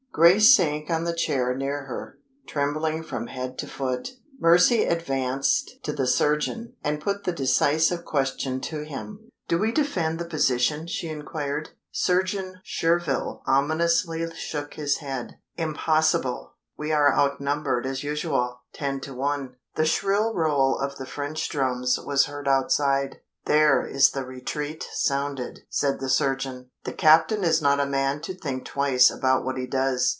Grace sank on the chair near her, trembling from head to foot. Mercy advanced to the surgeon, and put the decisive question to him. "Do we defend the position?" she inquired. Surgeon Surville ominously shook his head. "Impossible! We are outnumbered as usual ten to one." The shrill roll of the French drums was heard outside. "There is the retreat sounded!" said the surgeon. "The captain is not a man to think twice about what he does.